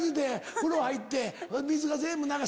風呂入って。